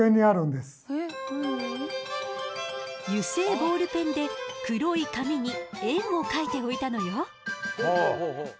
油性ボールペンで黒い紙に円を描いておいたのよ。